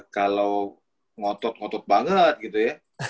kalau ngotot ngotot banget gitu ya